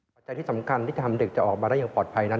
ปัจจัยที่สำคัญที่ทำเด็กจะออกมาได้อย่างปลอดภัยนั้น